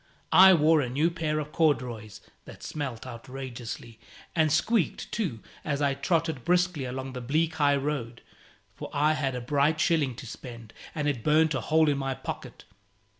I wore a new pair of corduroys, that smelt outrageously and squeaked, too, as I trotted briskly along the bleak high road; for I had a bright shilling to spend, and it burnt a hole in my pocket.